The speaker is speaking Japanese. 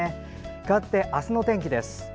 かわって明日の天気です。